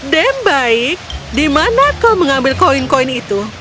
baik di mana kau mengambil koin koin itu